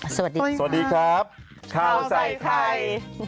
สวัสดีครับข้าวใส่ไทย